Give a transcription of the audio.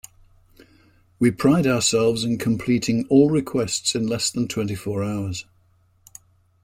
We pride ourselves in completing all requests in less than twenty four hours.